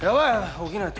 起きないと！